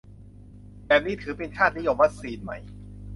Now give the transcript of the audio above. แบบนี้ถือเป็น ชาตินิยมวัคซีน ไหม